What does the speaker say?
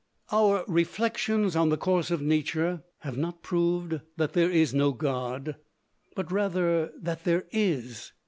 Our reflections on the course of Nature have not proved that there is no God, but rather that there is.